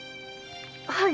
はい。